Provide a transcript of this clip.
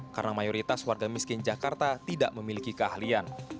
karena mayoritas warga miskin jakarta tidak memiliki keahlian